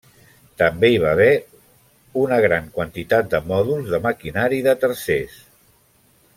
També hi va haver una gran quantitat de mòduls de maquinari de tercers.